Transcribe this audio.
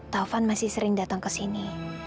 taufan masih sering datang ke sini